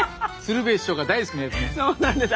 そうなんです。